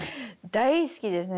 大好きですね。